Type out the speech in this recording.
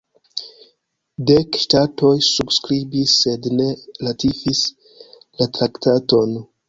Dek ŝtatoj subskribis, sed ne ratifis la traktaton.